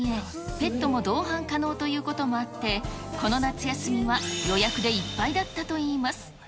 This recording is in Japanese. ペットも同伴可能ということもあって、この夏休みは予約でいっぱいだったといいます。